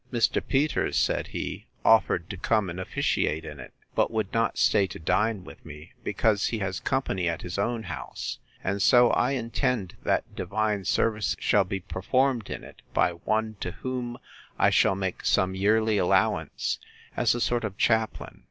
Mr. Peters, said he, offered to come and officiate in it; but would not stay to dine with me, because he has company at his own house: and so I intend that divine service shall be performed in it by one to whom I shall make some yearly allowance, as a sort of chaplain.